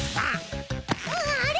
あれ？